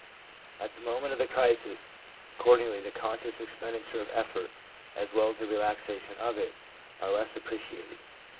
At the moment of the crisis, accordingly, the conscious expen diture of effort, as well as the relaxation of it, are less appreciated.